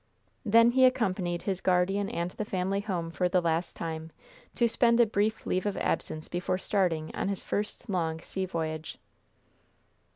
Then he accompanied his guardian and the family home for the last time, to spend a brief leave of absence before starting on his first long sea voyage.